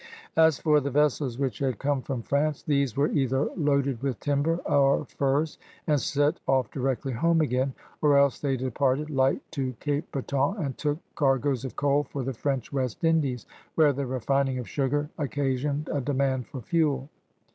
As for the vessels which had come from France^ these were either loaded with timber or furs and set off directly home again» or else they departed light to Cape Breton and took cargoes of coal for the French West Indies, where the refining of sugar occasioned a demand for fuel.